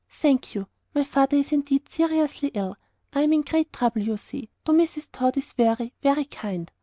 "Thank you, my father is indeed seriously ill. I am in great trouble, you see, though Mrs. Tod is very, very kind.